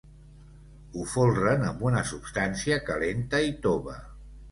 Ho folren amb una substància calenta i tova.